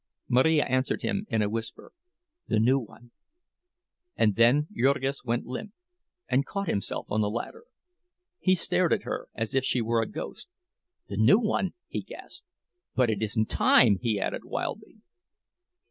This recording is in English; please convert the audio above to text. Marija answered him, in a whisper: "The new one!" And then Jurgis went limp, and caught himself on the ladder. He stared at her as if she were a ghost. "The new one!" he gasped. "But it isn't time," he added, wildly.